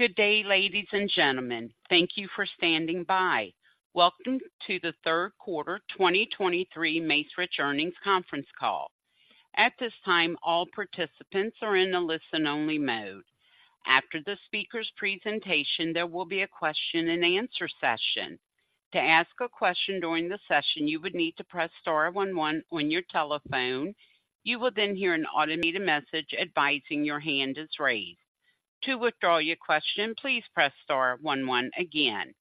Good day, ladies and gentlemen. Thank you for standing by. Welcome to the Third Quarter 2023 Macerich Earnings Conference Call. At this time, all participants are in a listen-only mode. After the speaker's presentation, there will be a question and answer session. To ask a question during the session, you would need to press star one one on your telephone. You will then hear an automated message advising your hand is raised. To withdraw your question, please press star one one again.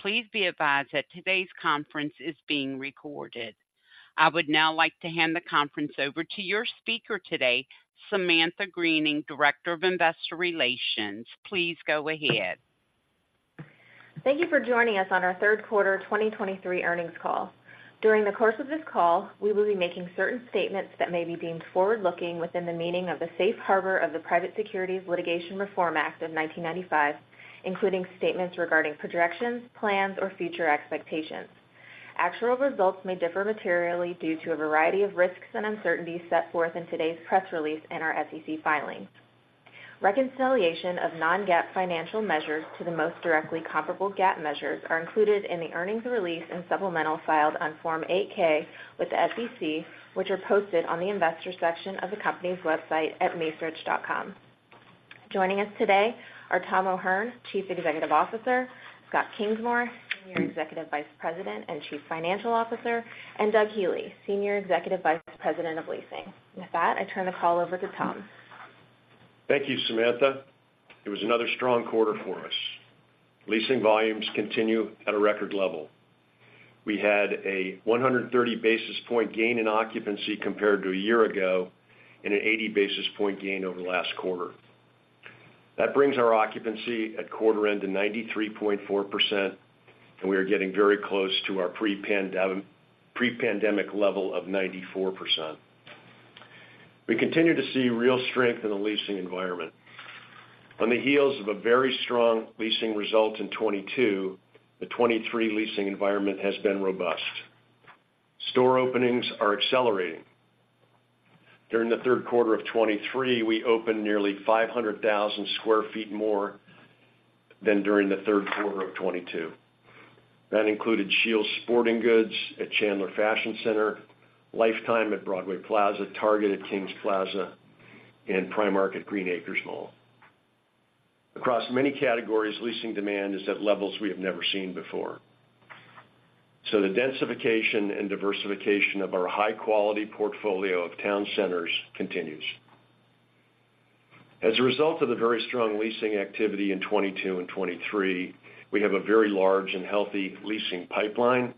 Please be advised that today's conference is being recorded. I would now like to hand the conference over to your speaker today, Samantha Greening, Director of Investor Relations. Please go ahead. Thank you for joining us on our Third Quarter 2023 earnings call. During the course of this call, we will be making certain statements that may be deemed forward-looking within the meaning of the Safe Harbor of the Private Securities Litigation Reform Act of 1995, including statements regarding projections, plans, or future expectations. Actual results may differ materially due to a variety of risks and uncertainties set forth in today's press release and our SEC filings. Reconciliation of non-GAAP financial measures to the most directly comparable GAAP measures are included in the earnings release and supplemental filed on Form 8-K with the SEC, which are posted on the investors section of the company's website at macerich.com. Joining us today are Tom O'Hern, Chief Executive Officer, Scott Kingsmore, Senior Executive Vice President and Chief Financial Officer, and Doug Healey, Senior Executive Vice President of Leasing. With that, I turn the call over to Tom. Thank you, Samantha. It was another strong quarter for us. Leasing volumes continue at a record level. We had a 130 basis point gain in occupancy compared to a year ago and an 80 basis point gain over last quarter. That brings our occupancy at quarter end to 93.4%, and we are getting very close to our pre-pandemic level of 94%. We continue to see real strength in the leasing environment. On the heels of a very strong leasing result in 2022, the 2023 leasing environment has been robust. Store openings are accelerating. During the third quarter of 2023, we opened nearly 500,000 sq ft more than during the third quarter of 2022. That included Scheels Sporting Goods at Chandler Fashion Center, Life Time at Broadway Plaza, Target at Kings Plaza, and Primark at Green Acres Mall. Across many categories, leasing demand is at levels we have never seen before, so the densification and diversification of our high-quality portfolio of town centers continues. As a result of the very strong leasing activity in 2022 and 2023, we have a very large and healthy leasing pipeline.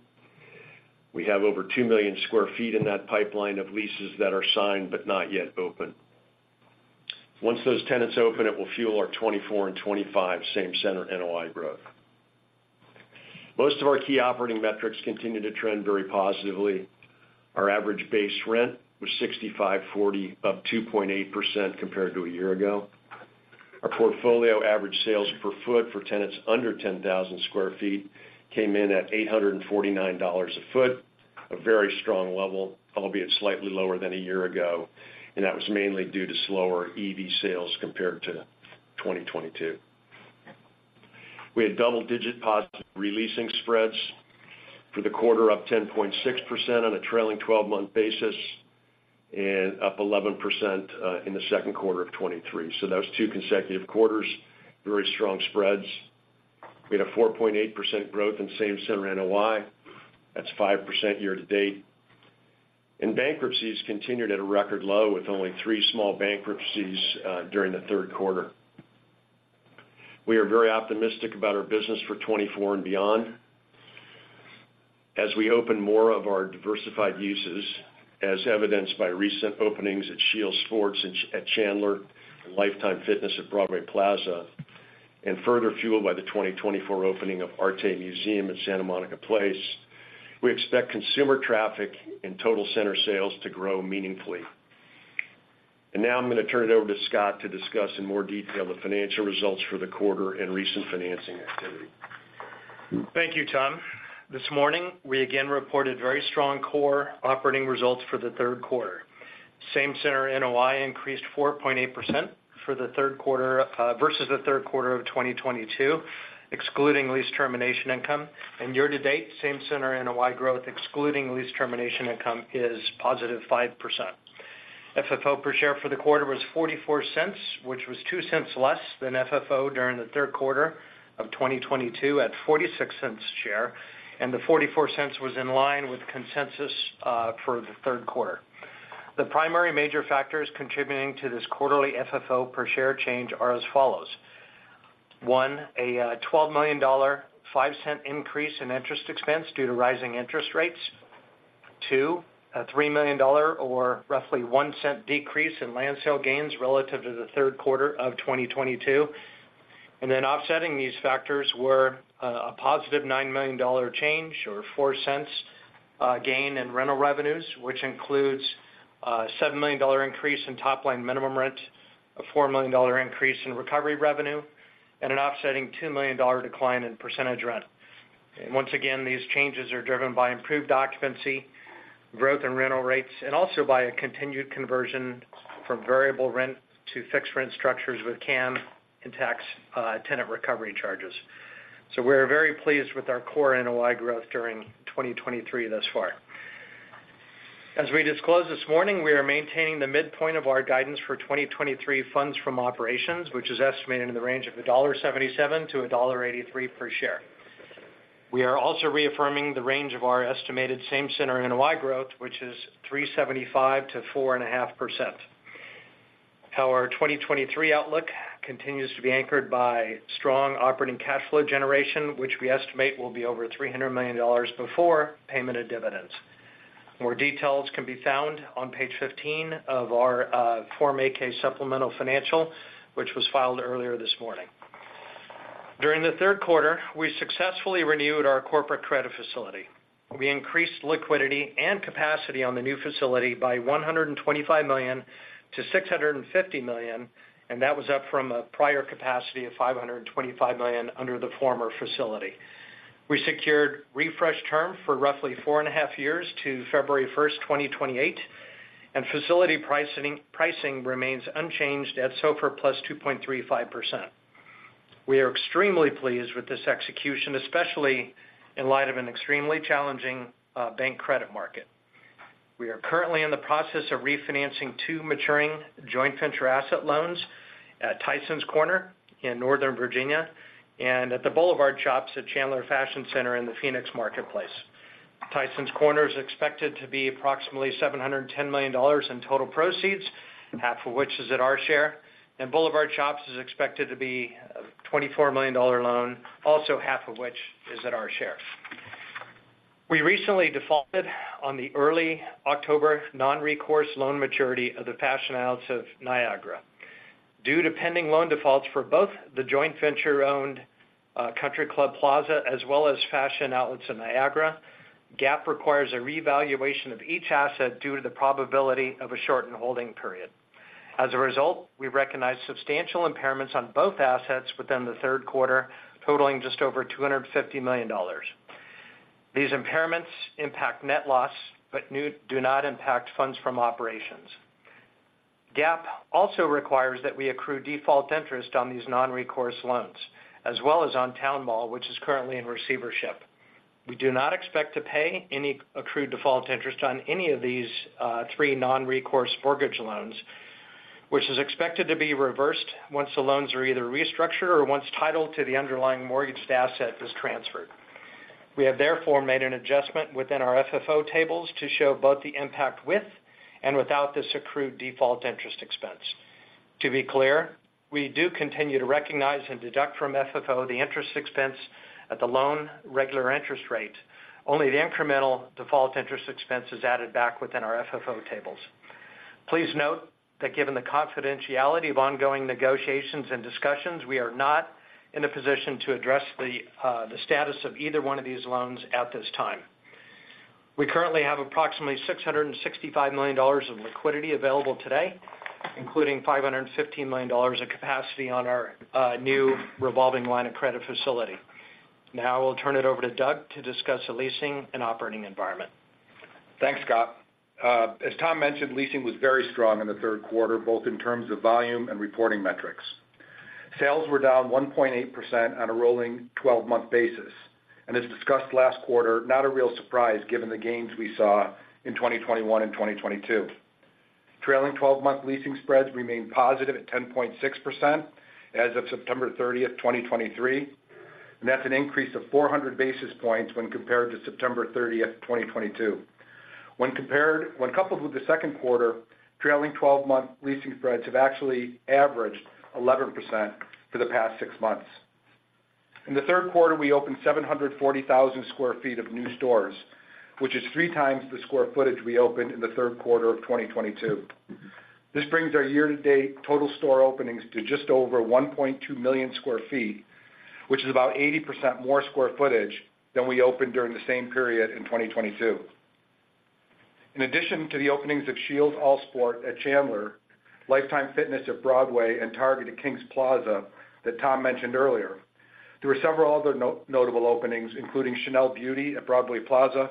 We have over 2 million sq ft in that pipeline of leases that are signed but not yet open. Once those tenants open, it will fuel our 2024 and 2025 same center NOI growth. Most of our key operating metrics continue to trend very positively. Our average base rent was $65.40, up 2.8% compared to a year ago. Our portfolio average sales per sq ft for tenants under 10,000 sq ft came in at $849/sq ft, a very strong level, albeit slightly lower than a year ago, and that was mainly due to slower EV sales compared to 2022. We had double-digit positive re-leasing spreads for the quarter, up 10.6% on a trailing twelve-month basis and up 11% in the second quarter of 2023. So those two consecutive quarters, very strong spreads. We had a 4.8% growth in same-center NOI. That's 5% year to date, and bankruptcies continued at a record low, with only 3 small bankruptcies during the third quarter. We are very optimistic about our business for 2024 and beyond. As we open more of our diversified uses, as evidenced by recent openings at Scheels Sports at Chandler and Life Time at Broadway Plaza, and further fueled by the 2024 opening of Arte Museum at Santa Monica Place, we expect consumer traffic and total center sales to grow meaningfully. Now I'm going to turn it over to Scott to discuss in more detail the financial results for the quarter and recent financing activity. Thank you, Tom. This morning, we again reported very strong core operating results for the third quarter. Same Center NOI increased 4.8% for the third quarter versus the third quarter of 2022, excluding lease termination income. Year to date, same Center NOI growth, excluding lease termination income, is +5%. FFO per share for the quarter was $0.44, which was $0.02 less than FFO during the third quarter of 2022, at $0.46 per share, and the $0.44 was in line with consensus for the third quarter. The primary major factors contributing to this quarterly FFO per share change are as follows: One, a $12 million, $0.05 increase in interest expense due to rising interest rates. Two, a $3 million or roughly $0.01 decrease in land sale gains relative to the third quarter of 2022. And then offsetting these factors were a positive $9 million change or $0.04 gain in rental revenues, which includes a $7 million increase in top-line minimum rent, a $4 million increase in recovery revenue, and an offsetting $2 million decline in percentage rent. Once again, these changes are driven by improved occupancy growth in rental rates, and also by a continued conversion from variable rent to fixed rent structures with CAM and tax tenant recovery charges. So we're very pleased with our core NOI growth during 2023 thus far. As we disclosed this morning, we are maintaining the midpoint of our guidance for 2023 funds from operations, which is estimated in the range of $1.77-$1.83 per share. We are also reaffirming the range of our estimated same center NOI growth, which is 3.75%-4.5%. Our 2023 outlook continues to be anchored by strong operating cash flow generation, which we estimate will be over $300 million before payment of dividends. More details can be found on page 15 of our Form 8-K supplemental financial, which was filed earlier this morning. During the third quarter, we successfully renewed our corporate credit facility. We increased liquidity and capacity on the new facility by $125 million to $650 million, and that was up from a prior capacity of $525 million under the former facility. We secured refreshed term for roughly 4.5 years to February 1st, 2028, and facility pricing, pricing remains unchanged at SOFR + 2.35%. We are extremely pleased with this execution, especially in light of an extremely challenging bank credit market. We are currently in the process of refinancing two maturing joint venture asset loans at Tysons Corner in Northern Virginia, and at the Boulevard Shops at Chandler Fashion Center in the Phoenix marketplace. Tysons Corner is expected to be approximately $710 million in total proceeds, half of which is at our share, and Boulevard Shops is expected to be a $24 million loan, also half of which is at our share. We recently defaulted on the early October non-recourse loan maturity of the Fashion Outlets of Niagara. Due to pending loan defaults for both the joint venture-owned Country Club Plaza, as well as Fashion Outlets of Niagara, GAAP requires a revaluation of each asset due to the probability of a shortened holding period. As a result, we recognized substantial impairments on both assets within the third quarter, totaling just over $250 million. These impairments impact net loss, but do not impact funds from operations. GAAP also requires that we accrue default interest on these non-recourse loans, as well as on Towne Mall, which is currently in receivership. We do not expect to pay any accrued default interest on any of these, three non-recourse mortgage loans, which is expected to be reversed once the loans are either restructured or once title to the underlying mortgaged asset is transferred. We have therefore made an adjustment within our FFO tables to show both the impact with and without this accrued default interest expense. To be clear, we do continue to recognize and deduct from FFO the interest expense at the loan regular interest rate. Only the incremental default interest expense is added back within our FFO tables. Please note that given the confidentiality of ongoing negotiations and discussions, we are not in a position to address the, the status of either one of these loans at this time. We currently have approximately $665 million of liquidity available today, including $515 million of capacity on our, new revolving line of credit facility. Now, I'll turn it over to Doug to discuss the leasing and operating environment. Thanks, Scott. As Tom mentioned, leasing was very strong in the third quarter, both in terms of volume and reporting metrics. Sales were down 1.8% on a rolling twelve-month basis, and as discussed last quarter, not a real surprise given the gains we saw in 2021 and 2022. Trailing twelve-month leasing spreads remained positive at 10.6% as of September 30, 2023, and that's an increase of 400 basis points when compared to September 30, 2022. When coupled with the second quarter, trailing twelve-month leasing spreads have actually averaged 11% for the past six months. In the third quarter, we opened 740,000 sq ft of new stores, which is 3x the square footage we opened in the third quarter of 2022. This brings our year-to-date total store openings to just over 1.2 million sq ft, which is about 80% more square footage than we opened during the same period in 2022. In addition to the openings of Scheels All Sports at Chandler, Life Time at Broadway, and Target at Kings Plaza, that Tom mentioned earlier, there were several other notable openings, including Chanel Beauty at Broadway Plaza,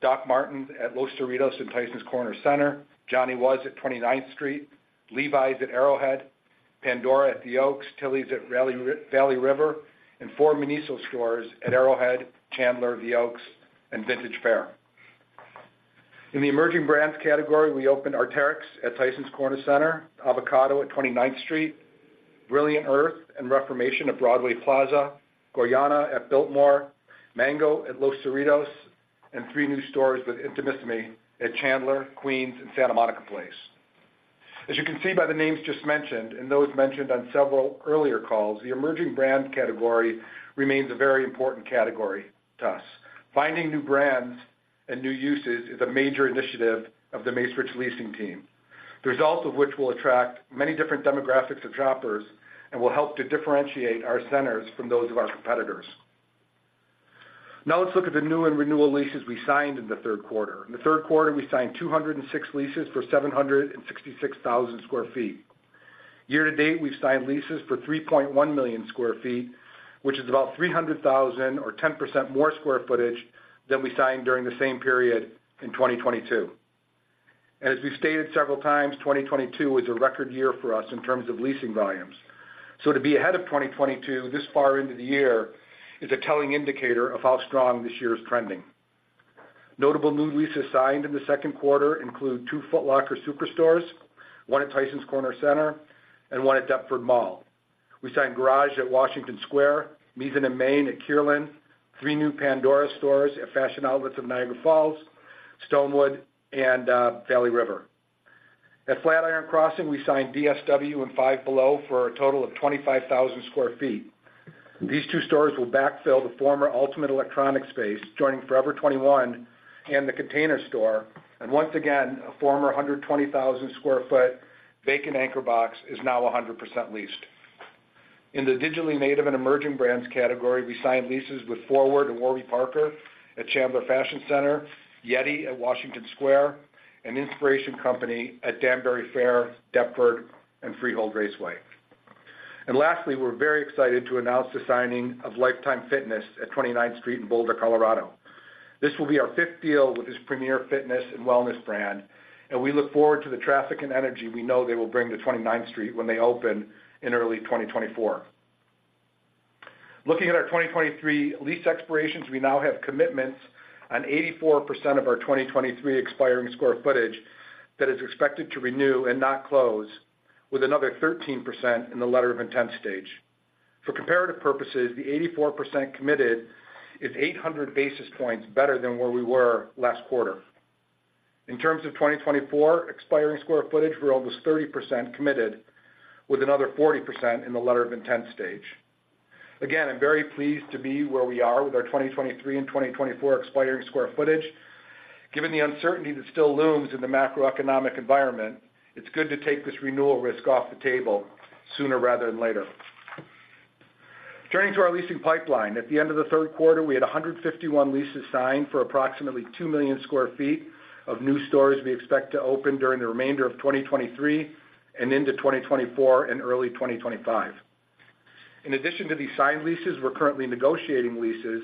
Doc Martens at Los Cerritos and Tysons Corner Center, Johnny Was at Twenty Ninth Street, Levi's at Arrowhead, Pandora at The Oaks, Tilly's at Valley River, and 4 Miniso stores at Arrowhead, Chandler, The Oaks, and Vintage Faire. In the emerging brands category, we opened Arc'teryx at Tysons Corner Center, Avocado at Twenty Ninth Street, Brilliant Earth and Reformation at Broadway Plaza, Gorjana at Biltmore, Mango at Los Cerritos, and three new stores with Intimissimi at Chandler, Queens, and Santa Monica Place. As you can see by the names just mentioned and those mentioned on several earlier calls, the emerging brand category remains a very important category to us. Finding new brands and new uses is a major initiative of the Macerich leasing team. The results of which will attract many different demographics of shoppers and will help to differentiate our centers from those of our competitors. Now, let's look at the new and renewal leases we signed in the third quarter. In the third quarter, we signed 206 leases for 766,000 sq ft. Year-to-date, we've signed leases for 3.1 million sq ft, which is about 300,000 or 10% more square footage than we signed during the same period in 2022. And as we've stated several times, 2022 was a record year for us in terms of leasing volumes. So to be ahead of 2022 this far into the year is a telling indicator of how strong this year is trending. Notable new leases signed in the second quarter include two Foot Locker superstores, one at Tysons Corner Center and one at Deptford Mall. We signed Garage at Washington Square, Mizzen+Main at Kierland, three new Pandora stores at Fashion Outlets of Niagara Falls, Stonewood, and Valley River. At Flatiron Crossing, we signed DSW and Five Below for a total of 25,000 sq ft. These two stores will backfill the former Ultimate Electronics space, joining Forever 21 and The Container Store, and once again, a former 120,000 sq ft vacant anchor box is now 100% leased. In the digitally native and emerging brands category, we signed leases with Forward and Warby Parker at Chandler Fashion Center, Yeti at Washington Square, and Inspiration Company at Danbury Fair, Deptford, and Freehold Raceway. Lastly, we're very excited to announce the signing of Life Time at Twenty Ninth Street in Boulder, Colorado. This will be our fifth deal with this premier fitness and wellness brand, and we look forward to the traffic and energy we know they will bring to Twenty Ninth Street when they open in early 2024. Looking at our 2023 lease expirations, we now have commitments on 84% of our 2023 expiring square footage that is expected to renew and not close, with another 13% in the letter of intent stage. For comparative purposes, the 84% committed is 800 basis points better than where we were last quarter. In terms of 2024, expiring square footage, we're almost 30% committed, with another 40% in the letter of intent stage. Again, I'm very pleased to be where we are with our 2023 and 2024 expiring square footage. Given the uncertainty that still looms in the macroeconomic environment, it's good to take this renewal risk off the table sooner rather than later. Turning to our leasing pipeline. At the end of the third quarter, we had 151 leases signed for approximately two million sq ft of new stores we expect to open during the remainder of 2023 and into 2024 and early 2025. In addition to these signed leases, we're currently negotiating leases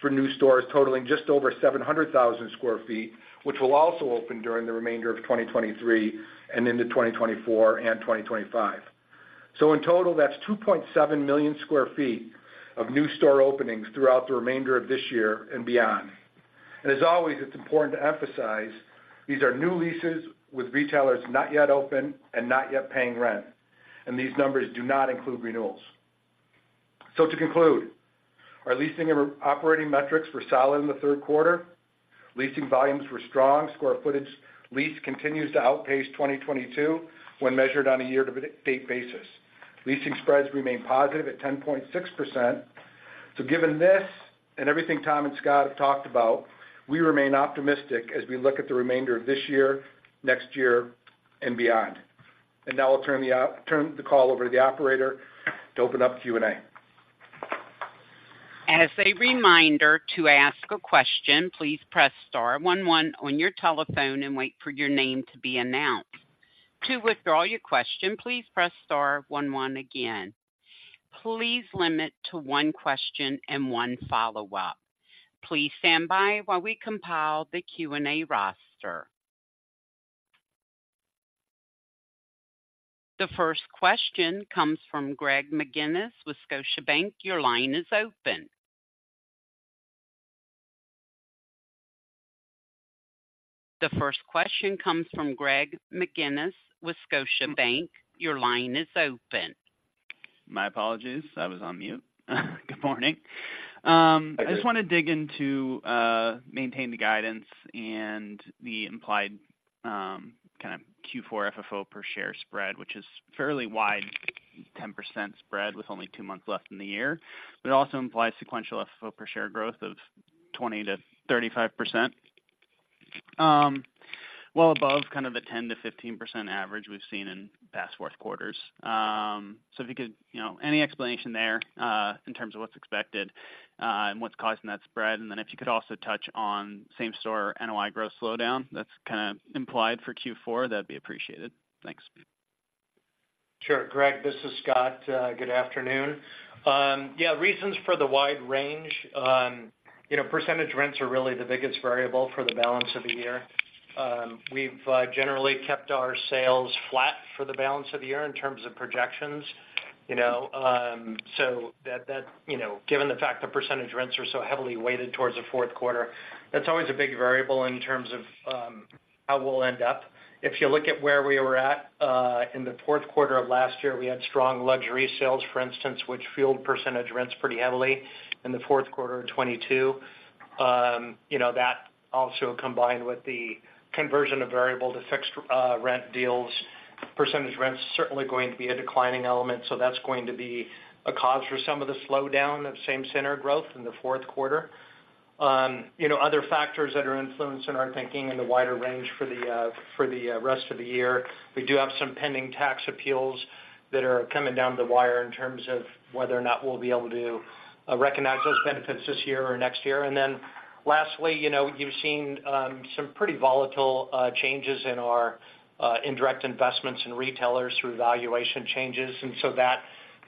for new stores totaling just over 700,000 sq ft, which will also open during the remainder of 2023 and into 2024 and 2025. So in total, that's 2.7 million sq ft of new store openings throughout the remainder of this year and beyond. And as always, it's important to emphasize, these are new leases with retailers not yet open and not yet paying rent, and these numbers do not include renewals. So to conclude, our leasing and operating metrics were solid in the third quarter. Leasing volumes were strong. Square footage lease continues to outpace 2022 when measured on a year-to-date basis. Leasing spreads remain positive at 10.6%. So given this and everything Tom and Scott have talked about, we remain optimistic as we look at the remainder of this year, next year, and beyond. And now I'll turn the call over to the operator to open up Q&A. As a reminder, to ask a question, please press star one one on your telephone and wait for your name to be announced. To withdraw your question, please press star one one again. Please limit to one question and one follow-up. Please stand by while we compile the Q&A roster. The first question comes from Greg McGinniss with Scotiabank. Your line is open. The first question comes from Greg McGinniss with Scotiabank. Your line is open. My apologies. I was on mute. Good morning. Hi, Greg. I just want to dig into maintain the guidance and the implied, kind of Q4 FFO per share spread, which is fairly wide, 10% spread, with only two months left in the year. But it also implies sequential FFO per share growth of 20%-35%, well above kind of the 10%-15% average we've seen in past fourth quarters. So if you could, you know, any explanation there, in terms of what's expected, and what's causing that spread? And then if you could also touch on same store NOI growth slowdown that's kind of implied for Q4, that'd be appreciated. Thanks. Sure, Greg, this is Scott. Good afternoon. Yeah, reasons for the wide range, you know, percentage rents are really the biggest variable for the balance of the year. We've generally kept our sales flat for the balance of the year in terms of projections, you know, so that, that, you know, given the fact that percentage rents are so heavily weighted towards the fourth quarter, that's always a big variable in terms of how we'll end up. If you look at where we were at in the fourth quarter of last year, we had strong luxury sales, for instance, which fueled percentage rents pretty heavily in the fourth quarter of 2022. You know, that also combined with the conversion of variable to fixed rent deals, percentage rent's certainly going to be a declining element. So that's going to be a cause for some of the slowdown of same center growth in the fourth quarter. You know, other factors that are influencing our thinking in the wider range for the rest of the year, we do have some pending tax appeals that are coming down to the wire in terms of whether or not we'll be able to recognize those benefits this year or next year. And then lastly, you know, you've seen some pretty volatile changes in our indirect investments in retailers through valuation changes. And so that- ...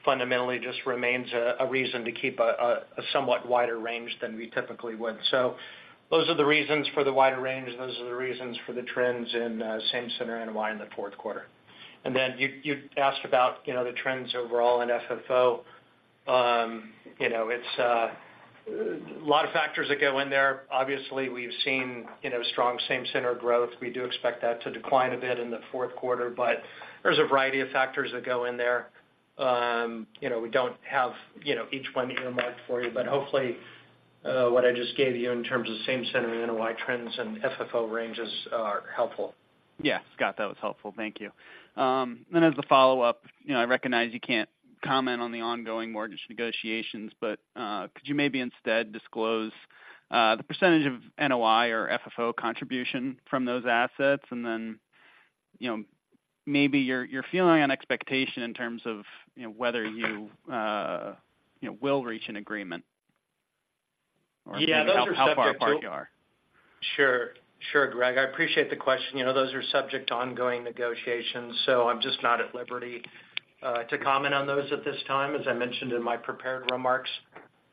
fundamentally just remains a reason to keep a somewhat wider range than we typically would. So those are the reasons for the wider range, and those are the reasons for the trends in same-center NOI in the fourth quarter. And then you asked about, you know, the trends overall in FFO. You know, it's a lot of factors that go in there. Obviously, we've seen, you know, strong same-center growth. We do expect that to decline a bit in the fourth quarter, but there's a variety of factors that go in there. You know, we don't have, you know, each one earmarked for you, but hopefully what I just gave you in terms of same-center NOI trends and FFO ranges are helpful. Yes, Scott, that was helpful. Thank you. Then as a follow-up, you know, I recognize you can't comment on the ongoing mortgage negotiations, but could you maybe instead disclose the percentage of NOI or FFO contribution from those assets? And then, you know, maybe your feeling on expectation in terms of, you know, whether you will reach an agreement or- Yeah, those are subject to- How far apart you are. Sure. Sure, Greg, I appreciate the question. You know, those are subject to ongoing negotiations, so I'm just not at liberty to comment on those at this time, as I mentioned in my prepared remarks.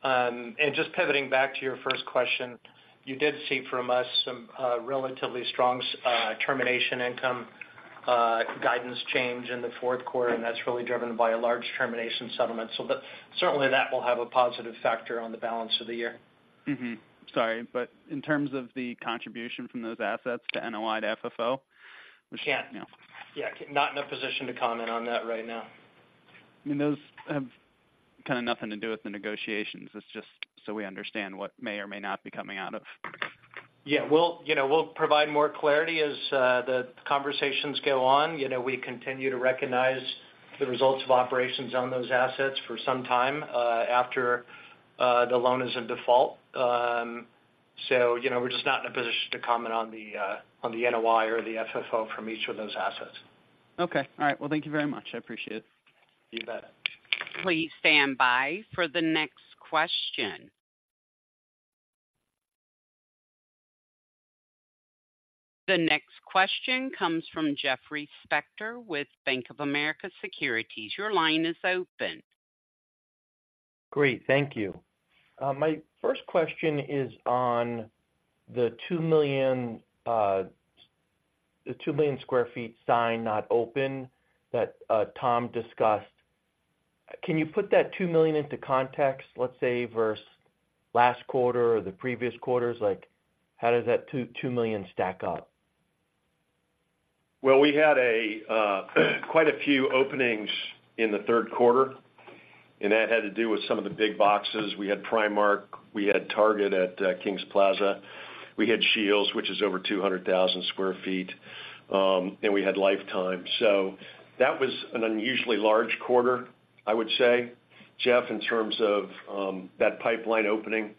And just pivoting back to your first question, you did see from us some relatively strong termination income guidance change in the fourth quarter, and that's really driven by a large termination settlement. So but certainly, that will have a positive factor on the balance of the year. Mm-hmm. Sorry, but in terms of the contribution from those assets to NOI to FFO, We can't. Yeah. Yeah, not in a position to comment on that right now. I mean, those have kind of nothing to do with the negotiations. It's just so we understand what may or may not be coming out of. Yeah, we'll—you know, we'll provide more clarity as the conversations go on. You know, we continue to recognize the results of operations on those assets for some time after the loan is in default. So, you know, we're just not in a position to comment on the NOI or the FFO from each of those assets. Okay. All right. Well, thank you very much. I appreciate it. You bet. Please stand by for the next question. The next question comes from Jeffrey Spector with Bank of America Securities. Your line is open. Great. Thank you. My first question is on the 2 million, the 2 million sq ft signed, not open, that Tom discussed. Can you put that 2 million into context, let's say, versus last quarter or the previous quarters? Like, how does that 2, 2 million stack up? Well, we had a quite a few openings in the third quarter, and that had to do with some of the big boxes. We had Primark, we had Target at Kings Plaza. We had Scheels, which is over 200,000 sq ft, and we had Life Time. So that was an unusually large quarter, I would say, Jeff, in terms of that pipeline opening.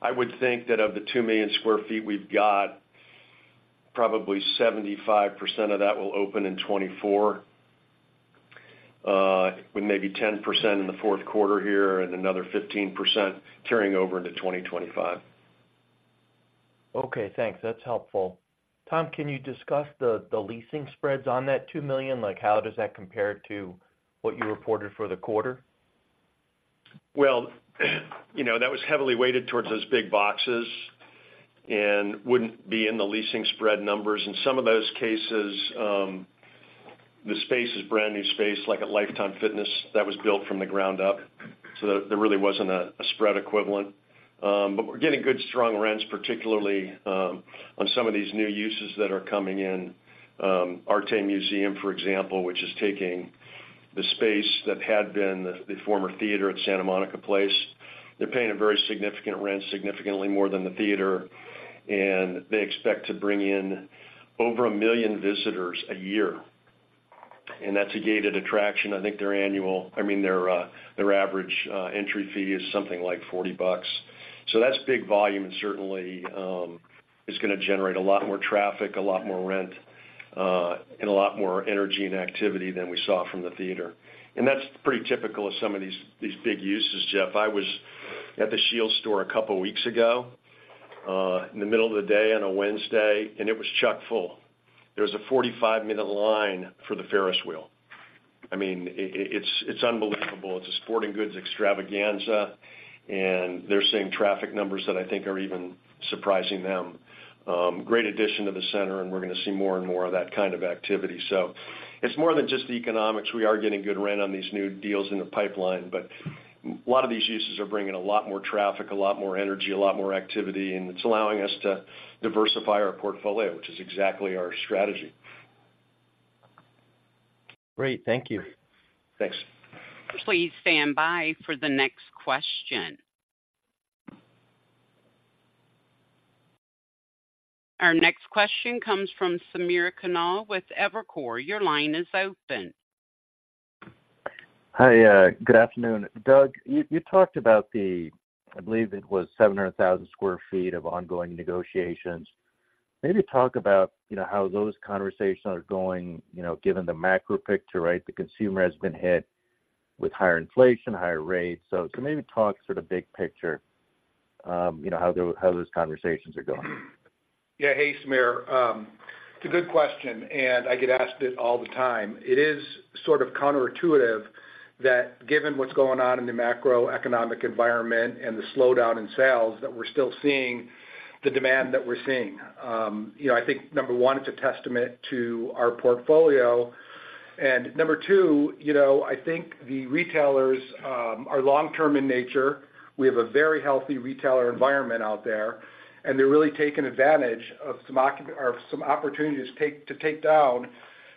I would think that of the 2 million sq ft we've got, probably 75% of that will open in 2024, with maybe 10% in the fourth quarter here and another 15% carrying over into 2025. Okay, thanks. That's helpful. Tom, can you discuss the leasing spreads on that 2 million? Like, how does that compare to what you reported for the quarter? Well, you know, that was heavily weighted towards those big boxes and wouldn't be in the leasing spread numbers. In some of those cases, the space is brand new space, like a Life Time that was built from the ground up. So there really wasn't a spread equivalent. But we're getting good, strong rents, particularly on some of these new uses that are coming in. Arte Museum, for example, which is taking the space that had been the former theater at Santa Monica Place. They're paying a very significant rent, significantly more than the theater, and they expect to bring in over 1 million visitors a year. And that's a gated attraction. I think their annual -- I mean, their average entry fee is something like $40. So that's big volume and certainly is gonna generate a lot more traffic, a lot more rent, and a lot more energy and activity than we saw from the theater. And that's pretty typical of some of these big uses, Jeff. I was at the Scheels store a couple weeks ago in the middle of the day on a Wednesday, and it was chock full. There was a 45-minute line for the Ferris wheel. I mean, it's unbelievable. It's a sporting goods extravaganza, and they're seeing traffic numbers that I think are even surprising them. Great addition to the center, and we're gonna see more and more of that kind of activity. So it's more than just the economics. We are getting good rent on these new deals in the pipeline, but a lot of these uses are bringing a lot more traffic, a lot more energy, a lot more activity, and it's allowing us to diversify our portfolio, which is exactly our strategy. Great. Thank you. Thanks. Please stand by for the next question. Our next question comes from Samir Khanal with Evercore. Your line is open. Hi, good afternoon. Doug, you talked about the, I believe it was 700,000 sq ft of ongoing negotiations. Maybe talk about, you know, how those conversations are going, you know, given the macro picture, right? The consumer has been hit with higher inflation, higher rates. So maybe talk sort of big picture.... you know, how those conversations are going? Yeah. Hey, Samir, it's a good question, and I get asked it all the time. It is sort of counterintuitive that given what's going on in the macroeconomic environment and the slowdown in sales, that we're still seeing the demand that we're seeing. You know, I think, number one, it's a testament to our portfolio. And number two, you know, I think the retailers are long-term in nature. We have a very healthy retailer environment out there, and they're really taking advantage of some opportunities to take down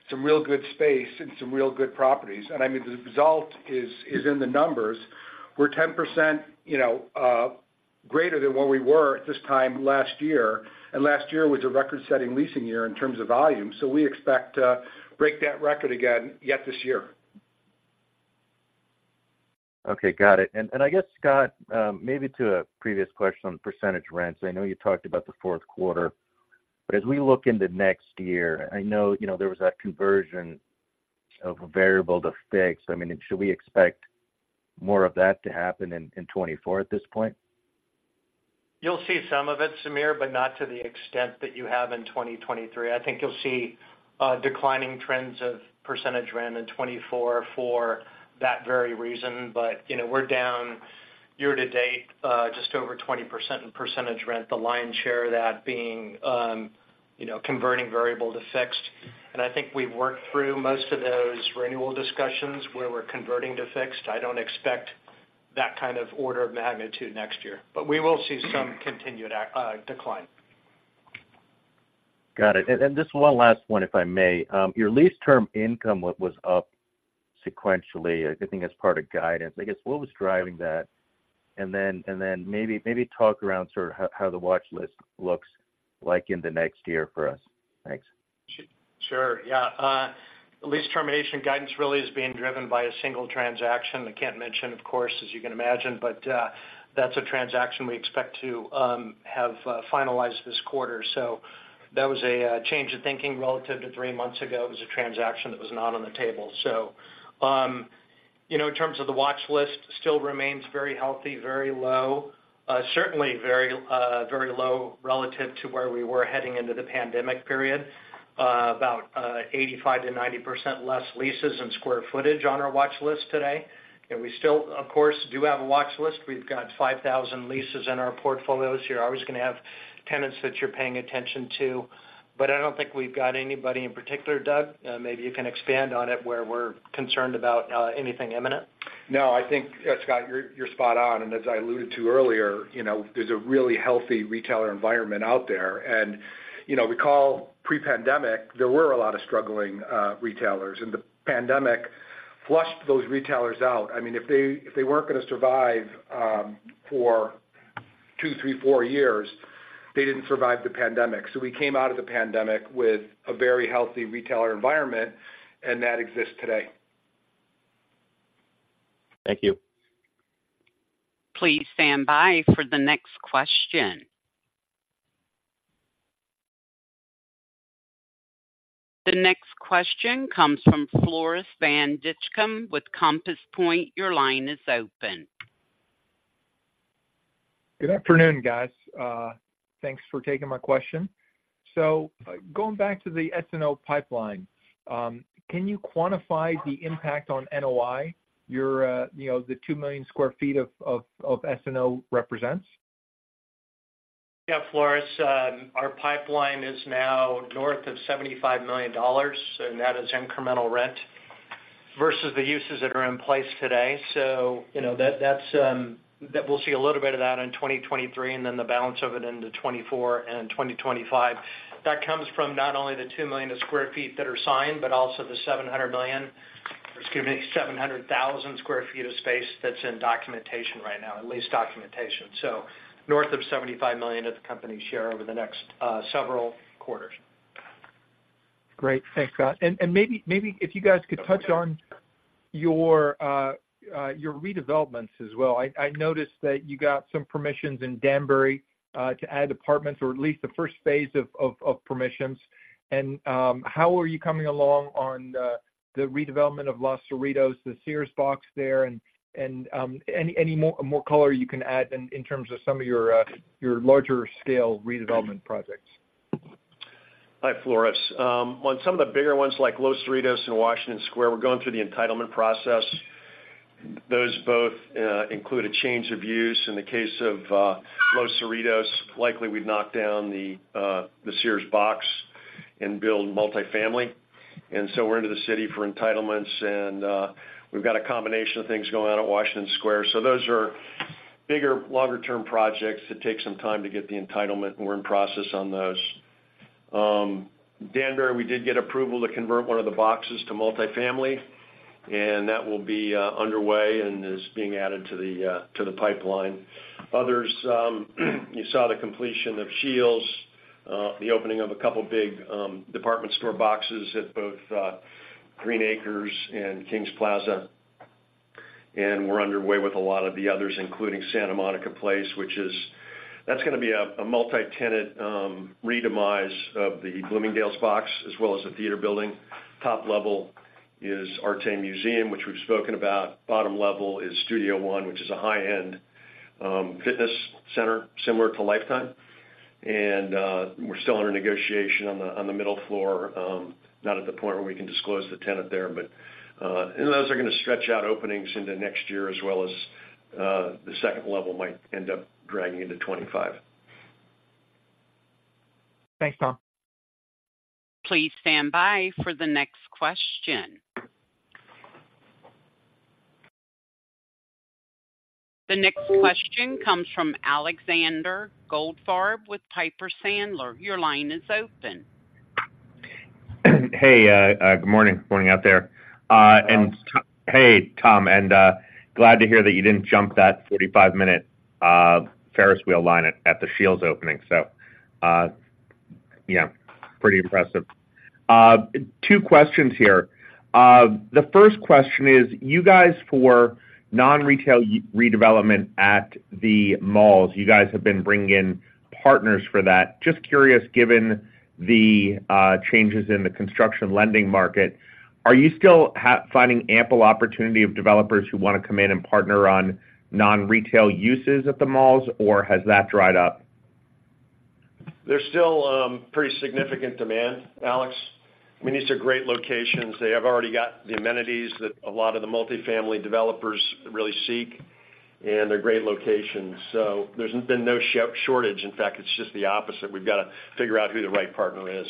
some real good space and some real good properties. And I mean, the result is in the numbers. We're 10%, you know, greater than what we were at this time last year, and last year was a record-setting leasing year in terms of volume. We expect to break that record again, yet this year. Okay, got it. I guess, Scott, maybe to a previous question on percentage rents. I know you talked about the fourth quarter, but as we look into next year, I know, you know, there was that conversion of variable to fixed. I mean, should we expect more of that to happen in 2024 at this point? You'll see some of it, Samir, but not to the extent that you have in 2023. I think you'll see declining trends of percentage rent in 2024 for that very reason. But, you know, we're down year to date just over 20% in percentage rent, the lion's share of that being you know, converting variable to fixed. And I think we've worked through most of those renewal discussions where we're converting to fixed. I don't expect that kind of order of magnitude next year, but we will see some continued decline. Got it. And just one last one, if I may. Your lease term income—what was up sequentially, I think, as part of guidance. I guess, what was driving that? And then maybe talk around sort of how the watchlist looks like in the next year for us. Thanks. Sure. Yeah, the lease termination guidance really is being driven by a single transaction. I can't mention, of course, as you can imagine, but that's a transaction we expect to have finalized this quarter. So that was a change of thinking relative to three months ago. It was a transaction that was not on the table. So, you know, in terms of the watchlist, still remains very healthy, very low, certainly very, very low relative to where we were heading into the pandemic period. About 85%-90% less leases and square footage on our watchlist today. And we still, of course, do have a watchlist. We've got 5,000 leases in our portfolios. You're always going to have tenants that you're paying attention to, but I don't think we've got anybody in particular. Doug, maybe you can expand on it, where we're concerned about anything imminent. No, I think, Scott, you're, you're spot on. And as I alluded to earlier, you know, there's a really healthy retailer environment out there. And, you know, we call pre-pandemic, there were a lot of struggling retailers, and the pandemic flushed those retailers out. I mean, if they, if they weren't going to survive for two, three, four years, they didn't survive the pandemic. So we came out of the pandemic with a very healthy retailer environment, and that exists today. Thank you. Please stand by for the next question. The next question comes from Floris Van Dijkum with Compass Point. Your line is open. Good afternoon, guys. Thanks for taking my question. So going back to the SNO pipeline, can you quantify the impact on NOI, you know, the two million sq ft of SNO represents? Yeah, Floris, our pipeline is now north of $75 million, and that is incremental rent versus the uses that are in place today. So, you know, that's, that we'll see a little bit of that in 2023, and then the balance of it into 2024 and 2025. That comes from not only the two million sq ft that are signed, but also the seven hundred million, excuse me, 700,000 sq ft of space that's in documentation right now, at lease documentation. So north of $75 million of the company's share over the next several quarters. Great. Thanks, Scott. And maybe if you guys could touch on your redevelopments as well. I noticed that you got some permissions in Danbury to add apartments, or at least the first phase of permissions. And how are you coming along on the redevelopment of Los Cerritos, the Sears box there, and any more color you can add in terms of some of your larger scale redevelopment projects? Hi, Floris. On some of the bigger ones, like Los Cerritos and Washington Square, we're going through the entitlement process. Those both include a change of use. In the case of Los Cerritos, likely we'd knock down the Sears box and build multifamily. And so we're into the city for entitlements, and we've got a combination of things going on at Washington Square. So those are bigger, longer-term projects that take some time to get the entitlement, and we're in process on those. Danbury, we did get approval to convert one of the boxes to multifamily, and that will be underway and is being added to the pipeline. Others, you saw the completion of Scheels, the opening of a couple of big department store boxes at both Green Acres and Kings Plaza, and we're underway with a lot of the others, including Santa Monica Place, which is... That's going to be a multi-tenant redemise of the Bloomingdale's box, as well as the theater building. Top level- ... is Arte Museum, which we've spoken about. Bottom level is Studio One, which is a high-end, fitness center, similar to Life Time. And, we're still under negotiation on the middle floor, not at the point where we can disclose the tenant there, but, and those are gonna stretch out openings into next year, as well as, the second level might end up dragging into 2025. Thanks, Tom. Please stand by for the next question. The next question comes from Alexander Goldfarb with Piper Sandler. Your line is open. Hey, good morning. Morning out there. Hello. Hey, Tom, and, glad to hear that you didn't jump that 45-minute Ferris wheel line at the Scheels opening. So, yeah, pretty impressive. Two questions here. The first question is, you guys, for non-retail redevelopment at the malls, you guys have been bringing in partners for that. Just curious, given the changes in the construction lending market, are you still finding ample opportunity of developers who wanna come in and partner on non-retail uses at the malls, or has that dried up? There's still pretty significant demand, Alex. I mean, these are great locations. They have already got the amenities that a lot of the multifamily developers really seek, and they're great locations. So there's been no shortage. In fact, it's just the opposite. We've got to figure out who the right partner is.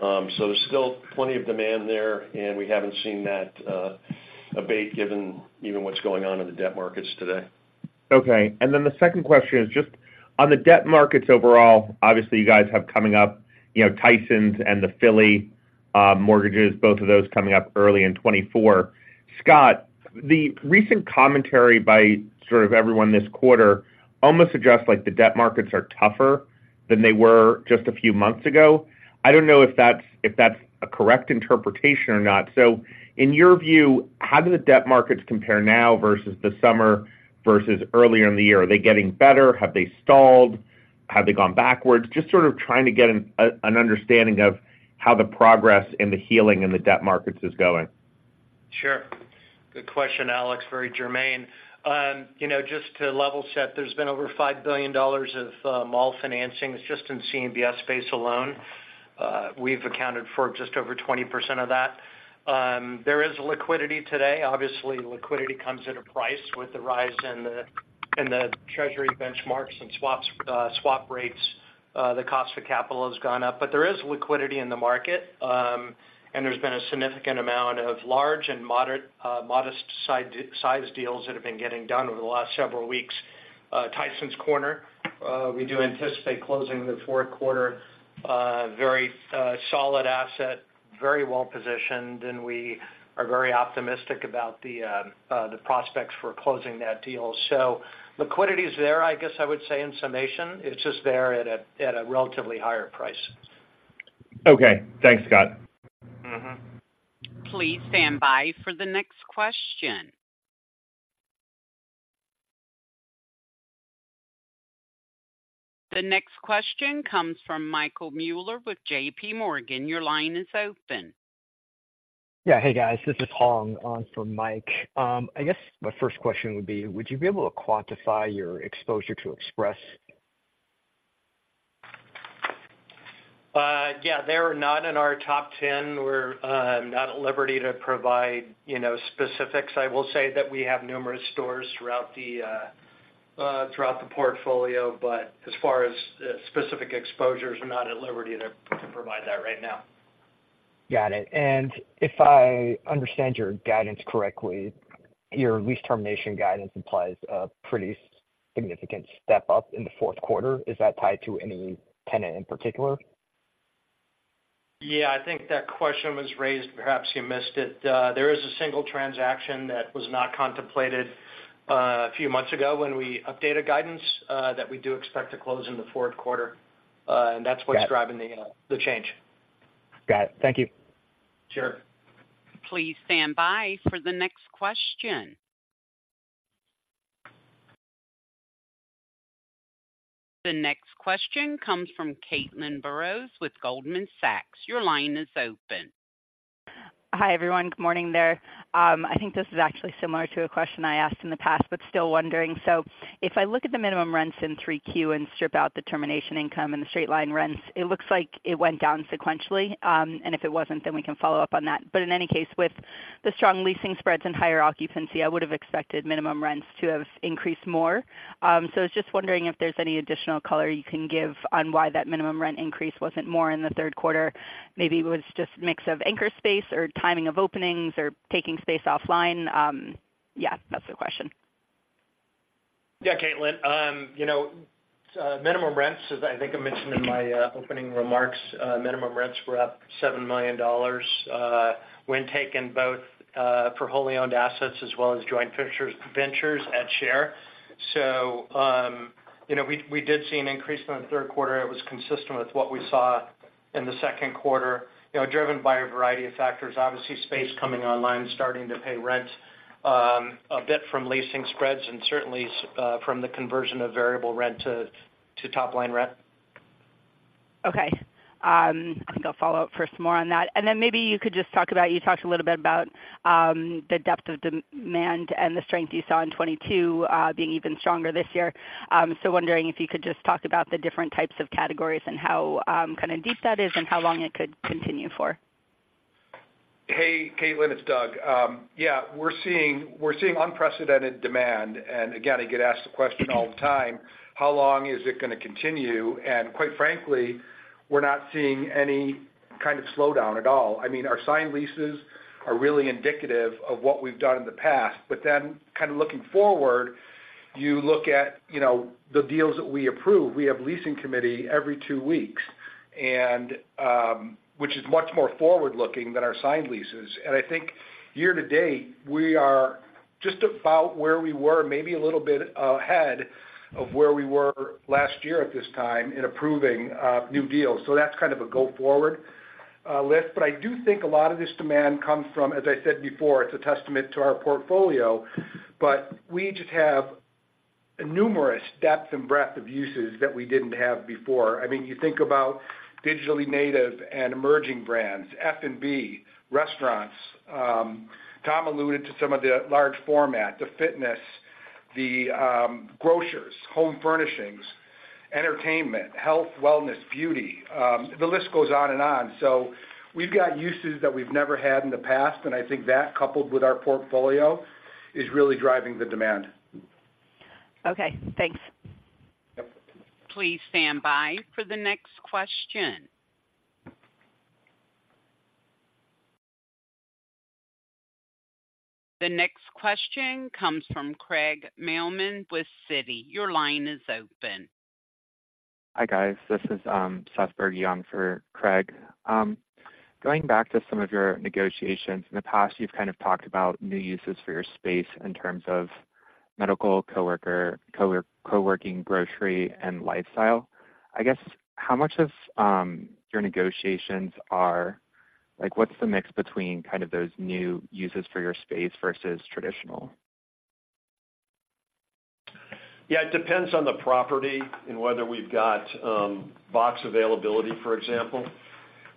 So there's still plenty of demand there, and we haven't seen that abate, given even what's going on in the debt markets today. Okay. Then the second question is just on the debt markets overall, obviously, you guys have coming up, you know, Tysons and the Philly mortgages, both of those coming up early in 2024. Scott, the recent commentary by sort of everyone this quarter almost suggests like the debt markets are tougher than they were just a few months ago. I don't know if that's, if that's a correct interpretation or not. So in your view, how do the debt markets compare now versus the summer, versus earlier in the year? Are they getting better? Have they stalled? Have they gone backwards? Just sort of trying to get an understanding of how the progress and the healing in the debt markets is going. Sure. Good question, Alex. Very germane. You know, just to level set, there's been over $5 billion of mall financing just in CMBS space alone. We've accounted for just over 20% of that. There is liquidity today. Obviously, liquidity comes at a price with the rise in the treasury benchmarks and swaps, swap rates, the cost of capital has gone up. But there is liquidity in the market, and there's been a significant amount of large and moderate, modest-sized deals that have been getting done over the last several weeks. Tysons Corner, we do anticipate closing in the fourth quarter, very solid asset, very well positioned, and we are very optimistic about the prospects for closing that deal. So liquidity is there, I guess I would say in summation. It's just there at a relatively higher price. Okay. Thanks, Scott. Mm-hmm. Please stand by for the next question. The next question comes from Michael Mueller with JP Morgan. Your line is open. Yeah. Hey, guys, this is Hong on for Mike. I guess my first question would be, would you be able to quantify your exposure to Express? Yeah, they're not in our top ten. We're not at liberty to provide, you know, specifics. I will say that we have numerous stores throughout the portfolio, but as far as specific exposures, we're not at liberty to provide that right now. Got it. And if I understand your guidance correctly, your lease termination guidance implies a pretty significant step up in the fourth quarter. Is that tied to any tenant in particular? Yeah, I think that question was raised. Perhaps you missed it. There is a single transaction that was not contemplated, a few months ago when we updated guidance, that we do expect to close in the fourth quarter, and that's what's- Got it. -driving the change. Got it. Thank you. Sure. Please stand by for the next question. The next question comes from Caitlin Burrows with Goldman Sachs. Your line is open. Hi, everyone. Good morning there. I think this is actually similar to a question I asked in the past, but still wondering. So if I look at the minimum rents in 3Q and strip out the termination income and the straight-line rents, it looks like it went down sequentially, and if it wasn't, then we can follow up on that. But in any case, with the strong leasing spreads and higher occupancy, I would have expected minimum rents to have increased more. So I was just wondering if there's any additional color you can give on why that minimum rent increase wasn't more in the third quarter. Maybe it was just a mix of anchor space or timing of openings or taking space offline. Yeah, that's the question. Yeah, Caitlin. You know, minimum rents, as I think I mentioned in my opening remarks, minimum rents were up $7 million, when taken both, for wholly owned assets as well as joint ventures at share. So, you know, we, we did see an increase from the third quarter. It was consistent with what we saw in the second quarter, you know, driven by a variety of factors. Obviously, space coming online, starting to pay rent, a bit from leasing spreads, and certainly, from the conversion of variable rent to, to top-line rent.... Okay. I think I'll follow up first more on that, and then maybe you could just talk about, you talked a little bit about, the depth of demand and the strength you saw in 2022, being even stronger this year. So wondering if you could just talk about the different types of categories and how, kind of deep that is and how long it could continue for. Hey, Caitlin, it's Doug. Yeah, we're seeing, we're seeing unprecedented demand, and again, I get asked the question all the time, how long is it going to continue? And quite frankly, we're not seeing any kind of slowdown at all. I mean, our signed leases are really indicative of what we've done in the past, but then kind of looking forward, you look at, you know, the deals that we approve. We have leasing committee every two weeks, and which is much more forward-looking than our signed leases. And I think year to date, we are just about where we were, maybe a little bit ahead of where we were last year at this time in approving new deals. So that's kind of a go-forward list. But I do think a lot of this demand comes from, as I said before, it's a testament to our portfolio, but we just have numerous depth and breadth of uses that we didn't have before. I mean, you think about digitally native and emerging brands, F&B, restaurants. Tom alluded to some of the large format, the fitness, the grocers, home furnishings, entertainment, health, wellness, beauty, the list goes on and on. So we've got uses that we've never had in the past, and I think that, coupled with our portfolio, is really driving the demand. Okay, thanks. Yep. Please stand by for the next question. The next question comes from Craig Mailman with Citi. Your line is open. Hi, guys. This is Seth Bergey for Craig. Going back to some of your negotiations, in the past, you've kind of talked about new uses for your space in terms of medical, coworker, co-working, grocery, and lifestyle. I guess, how much of your negotiations are... Like, what's the mix between kind of those new uses for your space versus traditional? Yeah, it depends on the property and whether we've got box availability, for example.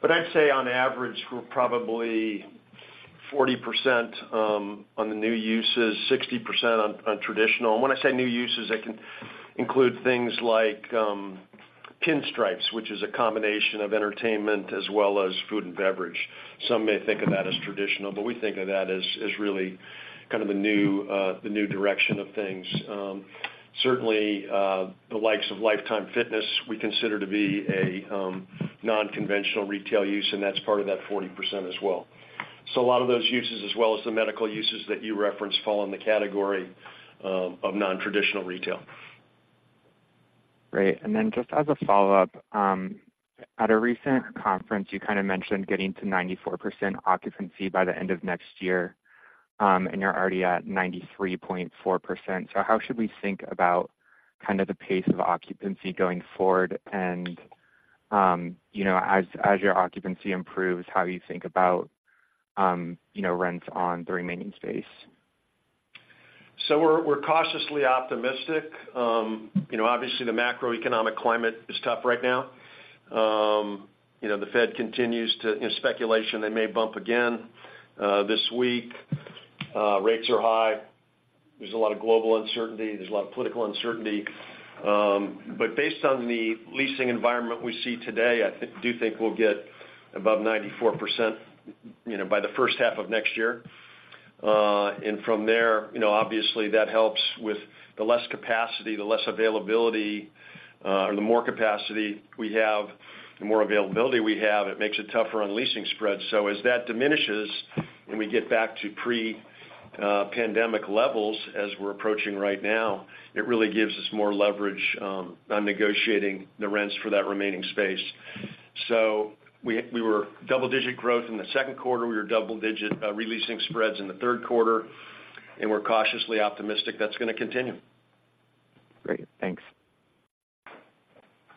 But I'd say on average, we're probably 40% on the new uses, 60% on traditional. When I say new uses, that can include things like Pinstripes, which is a combination of entertainment as well as food and beverage. Some may think of that as traditional, but we think of that as really kind of the new direction of things. Certainly, the likes of Lifetime Fitness, we consider to be a non-conventional retail use, and that's part of that 40% as well. So a lot of those uses, as well as the medical uses that you referenced, fall in the category of nontraditional retail. Great. And then just as a follow-up, at a recent conference, you kind of mentioned getting to 94% occupancy by the end of next year, and you're already at 93.4%. So how should we think about kind of the pace of occupancy going forward? And, you know, as your occupancy improves, how do you think about, you know, rents on the remaining space? So we're cautiously optimistic. You know, obviously, the macroeconomic climate is tough right now. You know, the Fed continues to... In speculation, they may bump again this week. Rates are high. There's a lot of global uncertainty, there's a lot of political uncertainty. But based on the leasing environment we see today, I think, do think we'll get above 94%, you know, by the first half of next year. And from there, you know, obviously, that helps with the less capacity, the less availability, or the more capacity we have, the more availability we have, it makes it tougher on leasing spreads. So as that diminishes and we get back to pre-pandemic levels, as we're approaching right now, it really gives us more leverage on negotiating the rents for that remaining space. So we were double-digit growth in the second quarter, we were double digit re-leasing spreads in the third quarter, and we're cautiously optimistic that's going to continue. Great. Thanks.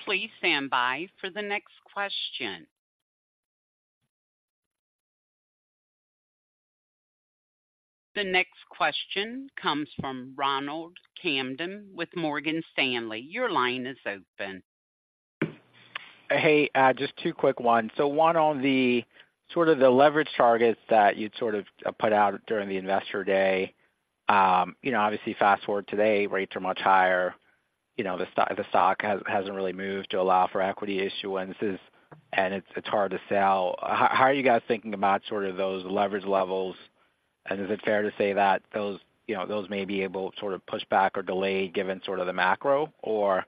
Please stand by for the next question. The next question comes from Ronald Kamdem with Morgan Stanley. Your line is open. Hey, just two quick ones. So one, on the sort of the leverage targets that you'd sort of put out during the Investor Day, you know, obviously, fast forward today, rates are much higher, you know, the stock, the stock hasn't really moved to allow for equity issuances, and it's, it's hard to sell. How, how are you guys thinking about sort of those leverage levels? And is it fair to say that those, you know, those may be able to sort of push back or delay given sort of the macro, or,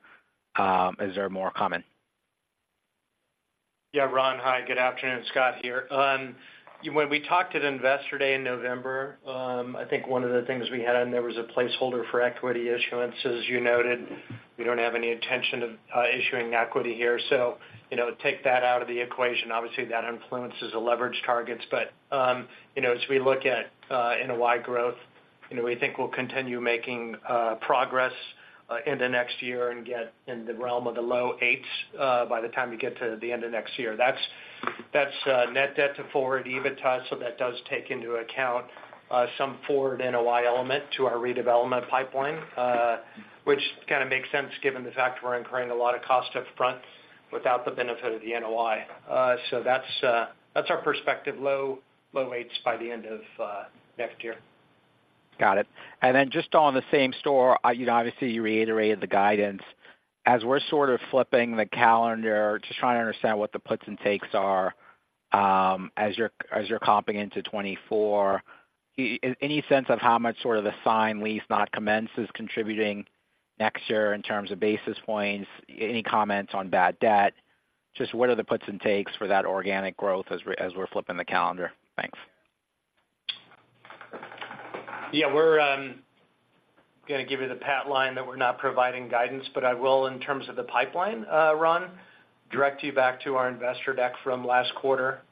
is there more coming? Yeah, Ron, hi, good afternoon. Scott here. When we talked at Investor Day in November, I think one of the things we had on there was a placeholder for equity issuance. As you noted, we don't have any intention of issuing equity here. So, you know, take that out of the equation. Obviously, that influences the leverage targets. But, you know, as we look at NOI growth,... you know, we think we'll continue making progress in the next year and get in the realm of the low 8s by the time we get to the end of next year. That's net debt to forward EBITDA, so that does take into account some forward NOI element to our redevelopment pipeline, which kind of makes sense given the fact we're incurring a lot of cost up front without the benefit of the NOI. So that's our perspective, low 8s by the end of next year. Got it. And then just on the same store, you know, obviously, you reiterated the guidance. As we're sort of flipping the calendar, just trying to understand what the puts and takes are, as you're, as you're comping into 2024, any sense of how much sort of the signed lease not commenced is contributing next year in terms of basis points? Any comments on bad debt? Just what are the puts and takes for that organic growth as we're, as we're flipping the calendar? Thanks. Yeah, we're gonna give you the pat line that we're not providing guidance, but I will, in terms of the pipeline, Ron, direct you back to our investor deck from last quarter.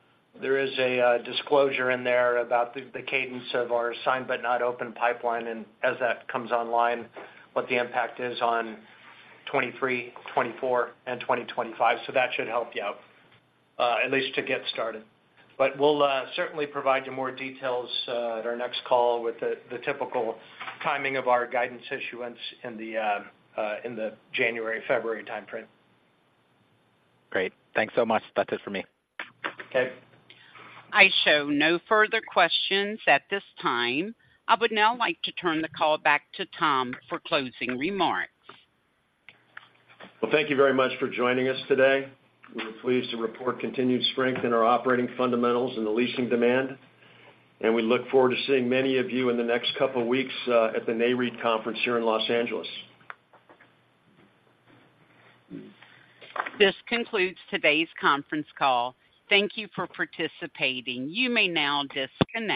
There is a disclosure in there about the cadence of our signed but not open pipeline, and as that comes online, what the impact is on 2023, 2024, and 2025. So that should help you out, at least to get started. But we'll certainly provide you more details at our next call with the typical timing of our guidance issuance in the January, February timeframe. Great. Thanks so much. That's it for me. Okay. I show no further questions at this time. I would now like to turn the call back to Tom for closing remarks. Well, thank you very much for joining us today. We are pleased to report continued strength in our operating fundamentals and the leasing demand, and we look forward to seeing many of you in the next couple of weeks at the NAREIT conference here in Los Angeles. This concludes today's conference call. Thank you for participating. You may now disconnect.